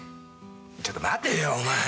ちょっと待てよお前